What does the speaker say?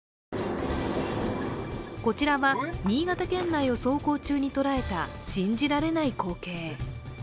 こちらは新潟県内を走行中に捉えた信じられない光景。